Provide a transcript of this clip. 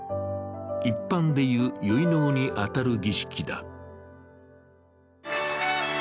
一般でいう、結納に当たる儀式だ。